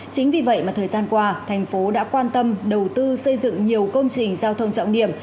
chính vì vậy mà thời gian qua thành phố đã quan tâm đầu tư xây dựng nhiều công trình giao thông trọng điểm